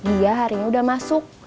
iya harinya udah masuk